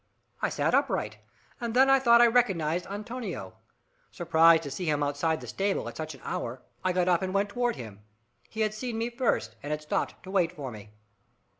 I sat upright, and then I thought I recognised Antonio. Surprised to see him outside the stable at such an hour, I got up and went toward him. He had seen me first, and had stopped to wait for me.